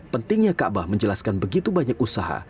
pentingnya kaabah menjelaskan begitu banyak usaha